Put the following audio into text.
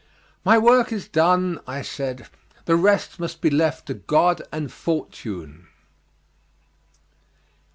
"My work is done," I said, "the rest must be left to God and fortune.